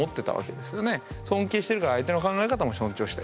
尊敬してるから相手の考え方も尊重したい。